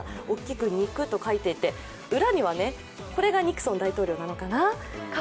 大きく「肉」と書いていて、裏にはねこれが肉ソン大統領なのかな。